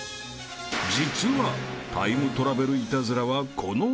［実はタイムトラベルイタズラはこの男にも］